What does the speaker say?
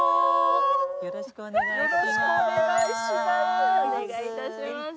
よろしくお願いします。